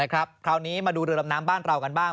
คราวนี้มาดูเรือดำน้ำบ้านเรากันบ้าง